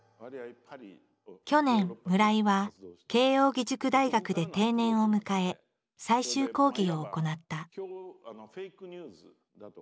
去年村井は慶應義塾大学で定年を迎え最終講義を行った。